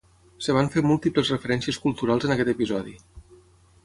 Es van fer múltiples referències culturals en aquest episodi.